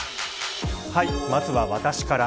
まずは私から。